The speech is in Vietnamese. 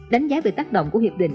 đánh giá về tác động của hiệp định